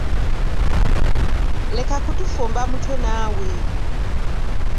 Leka kutufumba mutwe naawe.